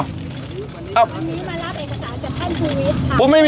ผมมีน้ำยามารับเอกสารจากท่านผู้วิทธิ์